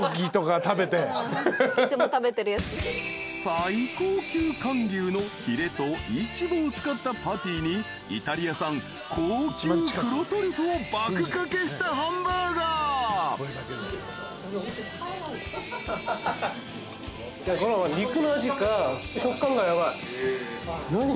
［最高級韓牛のヒレとイチボを使ったパティにイタリア産高級黒トリュフを爆かけしたハンバーガー］何？